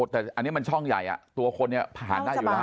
แต่อันนี้มันช่องใหญ่ตัวคนเนี่ยผ่านได้อยู่แล้ว